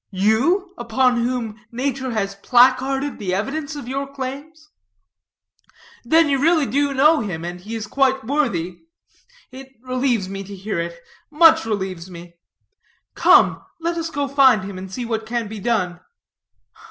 you, upon whom nature has placarded the evidence of your claims?" "Then you do really know him, and he is quite worthy? It relieves me to hear it much relieves me. Come, let us go find him, and see what can be done."